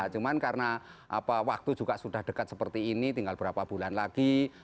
cuma karena waktu juga sudah dekat seperti ini tinggal berapa bulan lagi